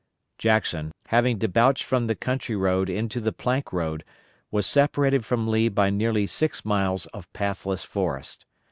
Jackson, having debouched from the country road into the plank road, was separated from Lee by nearly six miles of pathless forest.